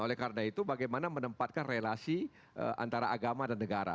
oleh karena itu bagaimana menempatkan relasi antara agama dan negara